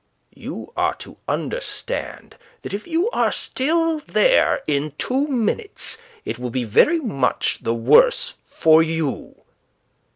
"You are to understand that if you are still there in two minutes it will be very much the worse for you."